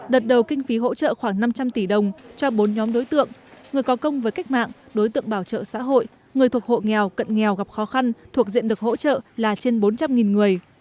đợt đầu kinh phí hỗ trợ khoảng năm trăm linh tỷ đồng cho bốn nhóm đối tượng người có công với cách mạng đối tượng bảo trợ xã hội người thuộc hộ nghèo cận nghèo gặp khó khăn thuộc diện được hỗ trợ là trên bốn trăm linh người